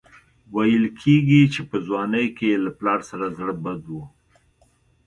ویل کېږي چې په ځوانۍ کې یې له پلار سره زړه بد و.